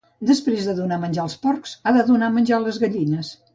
Després de donar menjar als porcs, ha de donar menjar a les gallines.